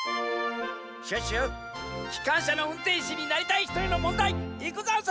シュッシュきかんしゃのうんてんしになりたいひとへのもんだいいくざんす！